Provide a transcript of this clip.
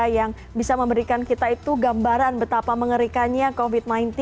yang bisa memberikan kita itu gambaran betapa mengerikannya covid sembilan belas